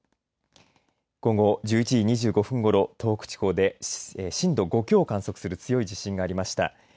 今後午後１１時２５分ごろ東北地方で震度５強を観測する強い地震がありました。